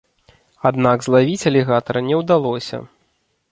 Аднак злавіць алігатара не ўдалося.